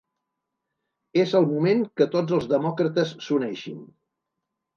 És el moment que tots els demòcrates s'uneixin.